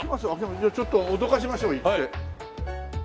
じゃあちょっと脅かしましょう行って。